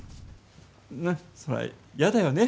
なっ、そりゃ嫌だよね